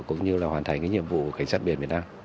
cũng như là hoàn thành cái nhiệm vụ của cảnh sát biển việt nam